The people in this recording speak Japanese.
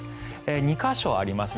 ２か所、ありますね。